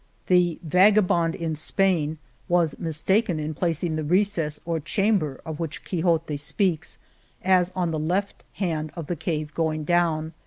The " Vagabond in Spain " was mis taken in placing the recess or chamber of which Quixote speaks as on the left hand of the cave going down.